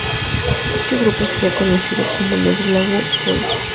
Dicho grupo sería conocido como los Glasgow boys.